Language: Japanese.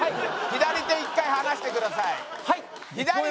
左手一回離してください。